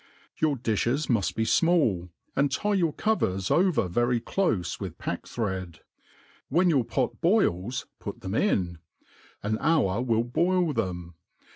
Yomt diflies muft be fmail, and tie yoqr covers, o^vei; very clofe wjt)i packthread. When yOur pot bolls, put them in. An hour will boil them.